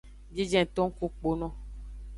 Biejenton ku kpono.